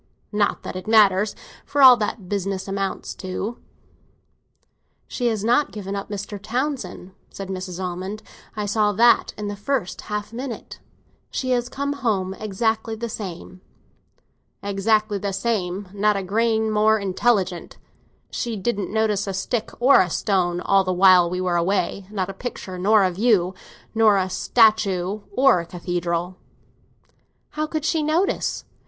Not that it matters, for all that the business amounts to." "She has not given up Mr. Townsend," said Mrs. Almond. "I saw that in the first half minute. She has come home exactly the same." "Exactly the same; not a grain more intelligent. She didn't notice a stick or a stone all the while we were away—not a picture nor a view, not a statue nor a cathedral." "How could she notice?